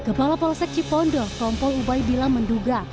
kepala polsek cipondo kompol ubay bilang menduga